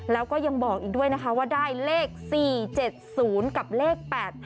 แล้วก็ยังบอกอีกด้วยนะคะว่าได้เลข๔๗๐กับเลข๘๕